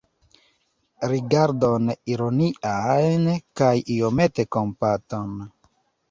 Rigardon ironian kaj iomete kompatan.